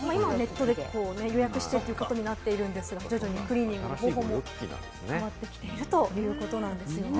今は予約してということになっていますが、クリーニングの方法も変わってきているということです。